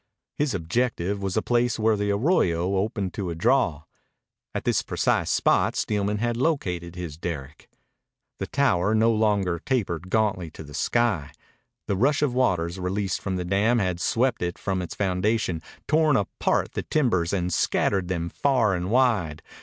His objective was the place where the arroyo opened to a draw. At this precise spot Steelman had located his derrick. The tower no longer tapered gauntly to the sky. The rush of waters released from the dam had swept it from its foundation, torn apart the timbers, and scattered them far and wide.